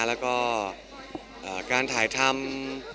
แล้วก็การถ่ายทำ